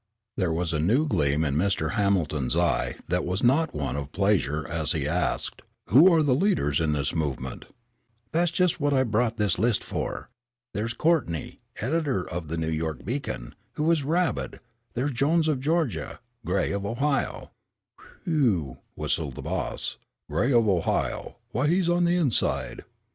There was a new gleam in Mr. Hamilton's eye that was not one of pleasure as he asked, "Who are the leaders in this movement?" "That's just what I brought this list for. There's Courtney, editor of the New York Beacon, who is rabid; there's Jones of Georgia, Gray of Ohio " "Whew," whistled the boss, "Gray of Ohio, why he's on the inside."